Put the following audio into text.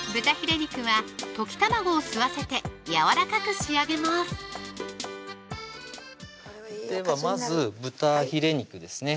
肉は溶き卵を吸わせてやわらかく仕上げますではまず豚ヒレ肉ですね